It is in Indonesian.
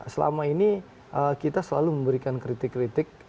selama ini kita selalu memberikan kritik kritik